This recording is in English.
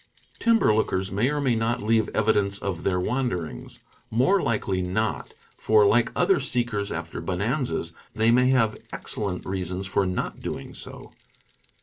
Timber lookers may or may not leave evidence of their wanderings — more likely not, for, like other seek , ers after bonanzas, they may have ex , J . cellent reasons for not doing so.